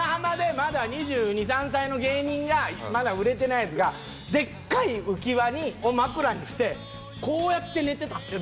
まだ２２２３歳の芸人がまだ売れてないヤツがデッカい浮輪を枕にしてこうやって寝てたんですよ